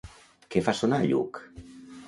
Què fa sonar Lluc?